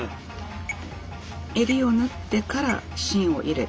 襟を縫ってから芯を入れる。